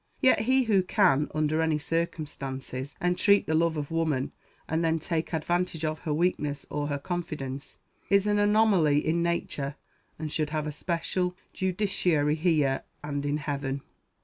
Yet he who can, under any circumstances, entreat the love of woman, and then take advantage of her weakness or her confidence, is an anomaly in nature, and should have a special, judiciary here and in heaven.